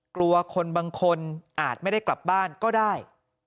กลัวคนบางคนอาจไม่ได้กลับบ้านก็ได้